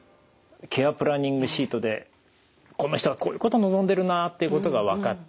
ケア・プランニングシートでこの人はこういうこと望んでるなっていうことが分かった。